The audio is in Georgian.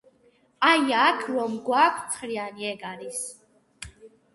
აი, აქ რომ გვაქვს ცხრიანი, ეგ არის.